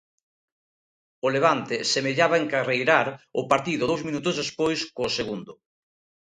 O Levante semellaba encarreirar o partido dous minutos despois co segundo.